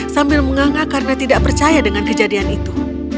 sambil menganga karena tidak percaya dengan kejadian itu